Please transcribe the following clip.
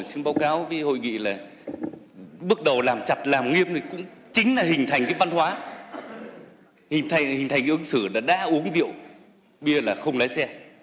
xin báo cáo với hội nghị là bước đầu làm chặt làm nghiêm thì cũng chính là hình thành cái văn hóa hình thành cái ứng xử là đã uống rượu bia là không lái xe